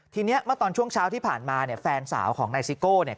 ทีนี้เมื่อตอนช่วงเช้าที่ผ่านมาเนี่ยแฟนสาวของนายซิโก้เนี่ย